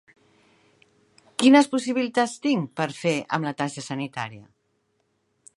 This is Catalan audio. Quines possibilitats tinc per fer amb la targeta sanitària?